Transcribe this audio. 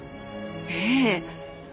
ええ。